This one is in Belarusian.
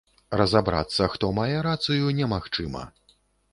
Разабрацца, хто мае рацыю, немагчыма.